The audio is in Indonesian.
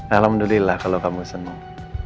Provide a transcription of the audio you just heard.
alhamdulillah kalau kamu senang